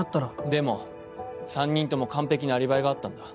でも３人とも完璧なアリバイがあったんだ。